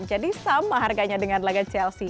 jadi sama harganya dengan laga chelsea